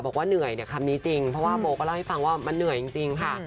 บอกว่าเหนื่อยเนี่ยคำนี้จริงเพราะว่าโมก็เล่าให้ฟังว่ามันเหนื่อยจริงค่ะ